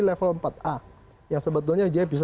level empat a yang sebetulnya dia bisa